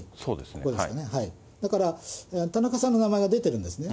ここですね、だから田中さんの名前が出てるんですね。